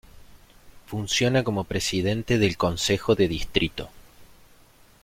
Funciona como presidente del Concejo de Distrito.